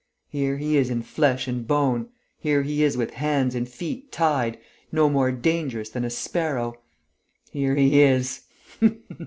Here he is in flesh and bone ... here he is with hands and feet tied, no more dangerous than a sparrow ... here is he